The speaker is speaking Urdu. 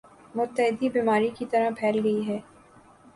متعدی بیماری کی طرح پھیل گئی ہے